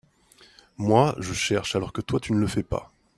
Moi, je cherche alors que toi tu ne le fais pas.